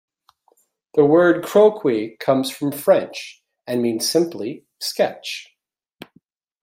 The word "croquis" comes from French and means simply "sketch".